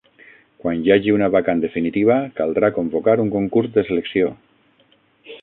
Quan hi hagi una vacant definitiva, caldrà convocar un concurs de selecció.